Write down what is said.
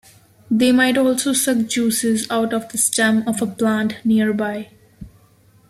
They might also suck juices out the stem of a plant nearby.